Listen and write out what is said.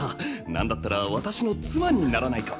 なんだったら私の妻にならないか？